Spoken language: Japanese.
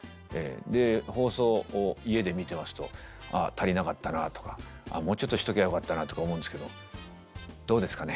で放送を家で見てますと「あっ足りなかったな」とか「もうちょっとしときゃよかったな」とか思うんですけどどうですかね？